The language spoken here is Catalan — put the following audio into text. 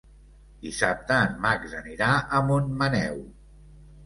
Dissabte en Max anirà a Montmaneu.